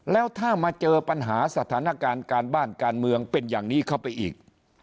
แล้วถ้ามาเจอปัญหาสถานการณ์การบ้านการเมืองเป็นอย่างนี้เข้าไปอีก